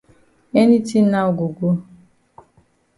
Any tin now go go.